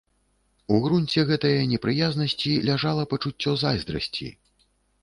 У грунце гэтае непрыязнасці ляжала пачуццё зайздрасці.